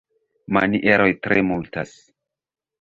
Manieroj tre multas.